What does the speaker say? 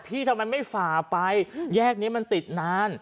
ทำไมไม่ฝ่าไปแยกนี้มันติดนาน